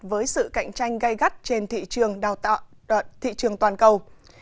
với sự cạnh tranh gây gắt trên thị trường toàn cầu